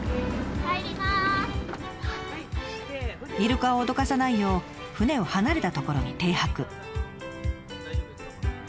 イルカを脅かさないよう船を離れた所に停泊。